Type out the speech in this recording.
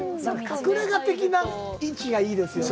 隠れ家的な位置がいいですよね。